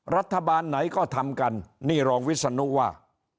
รัฐบาลไหนก็ทำกันนี่รองวิศนุว่า